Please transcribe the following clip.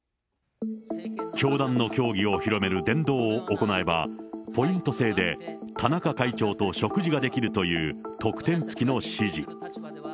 教団の教義を広める伝道を行えば、ポイント制で、田中会長と食事ができるという、特典付きの指示。